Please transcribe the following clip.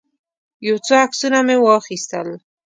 یو څو عکسونه مې واخیستل.